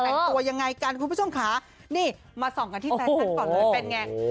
รุ่นตัวยังไงจะเป็นตัวยังไงกัน